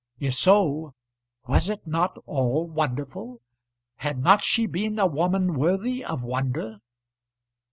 If so, was it not all wonderful! Had not she been a woman worthy of wonder!